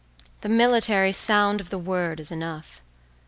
The military sound of the word is enough.